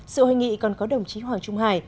sự hội nghị còn có đồng chí hoàng trung hải